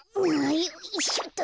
よいしょっと。